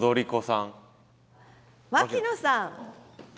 牧野さん。